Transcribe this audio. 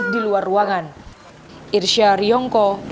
fisik di luar ruangan